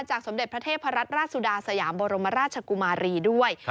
สมเด็จพระเทพรัตนราชสุดาสยามบรมราชกุมารีด้วย